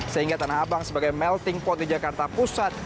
sehingga tanah abang sebagai melting pot di jakarta pusat